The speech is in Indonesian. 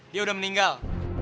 dia udah meninggal